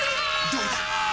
どうだ？